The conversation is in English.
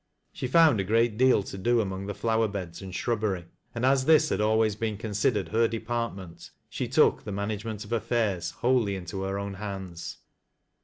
She found a great deal to dc among the flower beds and shrubbery, and as this had always been considered her department, she took the man agement of affairs wholly into her own hands.